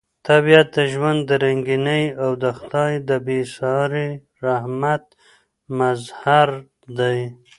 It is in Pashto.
طبیعت د ژوند د رنګینۍ او د خدای د بې ساري رحمت مظهر دی.